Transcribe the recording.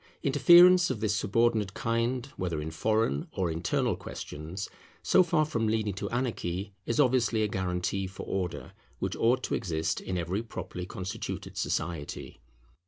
Interference of this subordinate kind, whether in foreign or internal questions, so far from leading to anarchy, is obviously a guarantee for order which ought to exist in every properly constituted society.